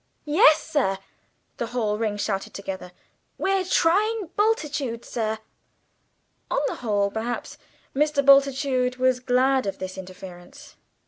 "Yes, sir," the whole ring shouted together. "We're trying Bultitude, sir." On the whole, perhaps, Mr. Bultitude was glad of this interference.